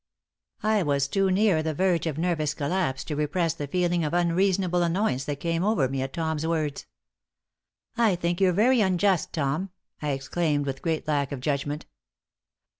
I was too near the verge of nervous collapse to repress the feeling of unreasonable annoyance that came over me at Tom's words. "I think you're very unjust, Tom," I exclaimed, with great lack of judgment.